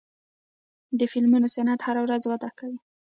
د فلمونو صنعت هره ورځ وده کوي.